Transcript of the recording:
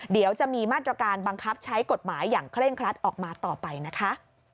เดี๋ยวจะมีมาตรการบังคับใช้กฎหมายอย่างเคร่งครัดออกมาต่อไปนะคะ